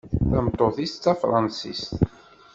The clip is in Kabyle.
Tameṭṭut-is d tafransist.